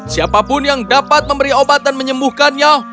siapa pun yang dapat memberi obat dan menyembuhkannya